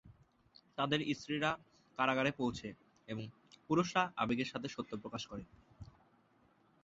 তাদের স্ত্রীরা কারাগারে পৌঁছে এবং পুরুষরা আবেগের সাথে সত্য প্রকাশ করে।